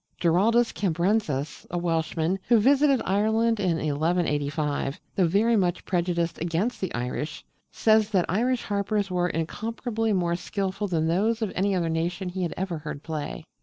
Giraldus Cambrensis, a Welshman, who visited Ireland in 1185, though very much prejudiced against the Irish, says that Irish harpers were incomparably more skilful than those of any other nation he had ever heard play.